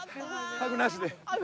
ハグなしで。